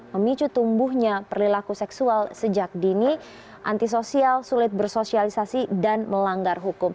memicu tumbuhnya perilaku seksual sejak dini antisosial sulit bersosialisasi dan melanggar hukum